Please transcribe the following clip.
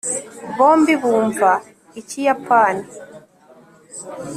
bombi bumva ikiyapani